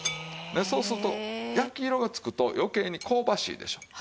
そうすると焼き色がつくと余計に香ばしいでしょう。